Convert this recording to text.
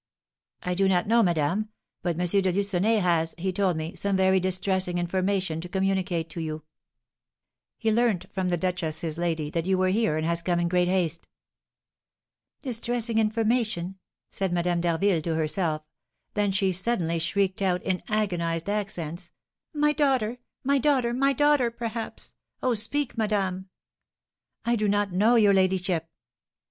"I do not know, madame; but M. de Lucenay has, he told me, some very distressing information to communicate to you. He learnt from the duchess, his lady, that you were here, and has come in great haste." "Distressing information!" said Madame d'Harville to herself; then she suddenly shrieked out, in agonised accents, "My daughter, my daughter, my daughter, perhaps! Oh, speak, madame!" "I do not know, your ladyship."